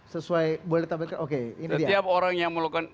sesuai boleh ditampilkan oke